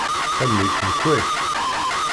Amek nnekwa-k?